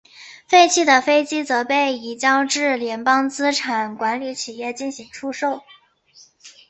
废弃的飞机则被移交至联邦资产管理企业进行出售。